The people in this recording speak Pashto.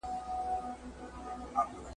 فقط لکه د فلم تماشې ته چي وتلي وي !.